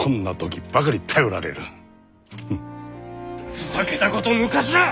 ふざけたこと抜かすな！